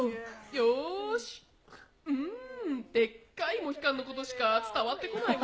よーし、うーん、でっかいモヒカンのことしか伝わってこないわ。